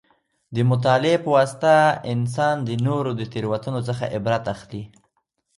د مطالعې په واسطه انسان د نورو د تېروتنو څخه عبرت اخلي.